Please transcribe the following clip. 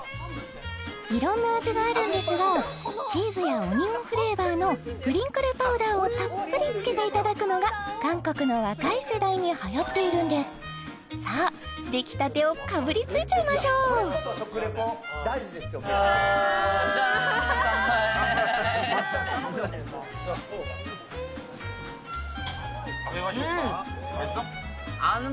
いろんな味があるんですがチーズやオニオンフレーバーのプリンクルパウダーをたっぷりつけていただくのが韓国の若い世代にはやっているんですさあできたてをかぶりついちゃいましょううん！